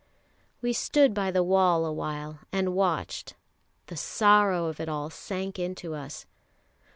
We stood by the wall awhile and watched; the sorrow of it all sank into us.